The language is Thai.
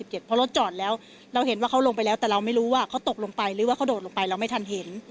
เพราะรถจอดแล้วเราเห็นว่าเขาลงไปแล้วแต่เราไม่รู้ว่าเขาตกลงไปหรือว่าเขาโดดลงไปเราไม่ทันเห็น